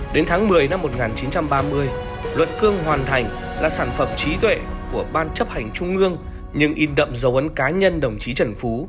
đến tháng một mươi năm một nghìn chín trăm ba mươi luận cương hoàn thành là sản phẩm trí tuệ của ban chấp hành trung ương nhưng in đậm dấu ấn cá nhân đồng chí trần phú